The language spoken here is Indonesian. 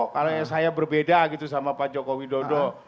kalau yang saya berbeda gitu sama pak jokowi dodo